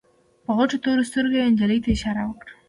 په غټو تورو سترګو يې نجلۍ ته اشاره وکړه.